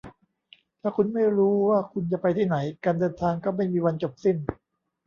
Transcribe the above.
ถ้าคุณไม่รู้ว่าคุณจะไปที่ไหน การเดินทางก็ไม่มีวันจบสิ้น